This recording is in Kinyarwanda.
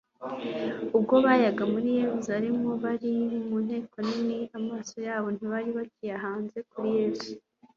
Ubwo bayaga muri Yerusalemu, bari mu nteko nini, amaso yabo ntibari bakiyahanze kuri Yesu.